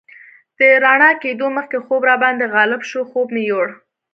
تر رڼا کېدو مخکې خوب راباندې غالب شو، خوب مې یوړ.